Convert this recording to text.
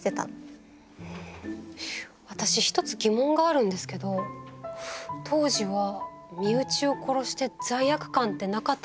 私一つ疑問があるんですけど当時は身内を殺して罪悪感ってなかったんでしょうか。